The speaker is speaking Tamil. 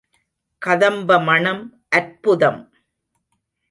கதம்ப மணம் அற்புதம்!